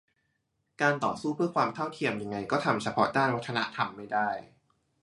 การต่อสู้เพื่อความเท่าเทียมยังไงก็ทำเฉพาะด้านวัฒนธรรมไม่ได้